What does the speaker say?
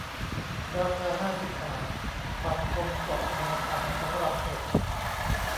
ราคา ห้าสิบ บาท บัตรชมเกาะแสมสารสำหรับเด็ก